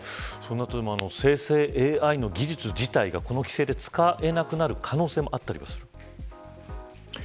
そうなると生成ＡＩの技術自体がこの規制で使えなくなる可能性もあったりするんですか。